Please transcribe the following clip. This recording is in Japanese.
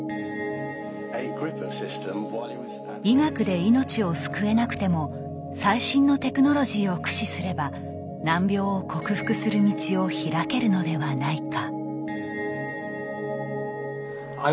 医学で命を救えなくても最新のテクノロジーを駆使すれば難病を克服する道を開けるのではないか。